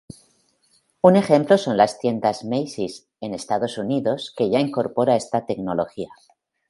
Un ejemplo son las tiendas Macy's en Estados Unidos que ya incorpora esta tecnología.